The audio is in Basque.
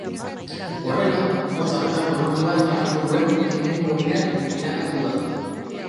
Horrela, mota horretako neurri bat hartu duen lehenengo herrian bilakatu da.